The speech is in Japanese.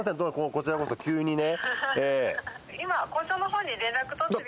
こちらこそ急にね。